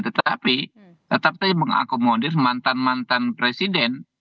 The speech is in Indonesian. tetapi tetap tadi mengakomodir mantan mantan presiden